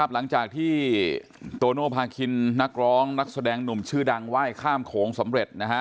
หลังจากที่โตโนภาคินนักร้องนักแสดงหนุ่มชื่อดังไหว้ข้ามโขงสำเร็จ